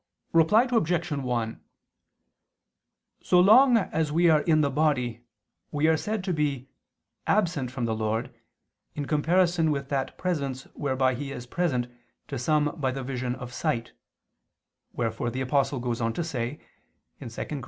Reply Obj. 1: So long as we are in the body, we are said to be "absent from the Lord," in comparison with that presence whereby He is present to some by the vision of "sight"; wherefore the Apostle goes on to say (2 Cor.